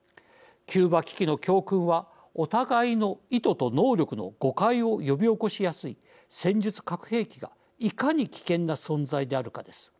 キューバ危機の教訓はお互いの意図と能力の誤解を呼び起こしやすい戦術核兵器がいかに危険な存在であるかです。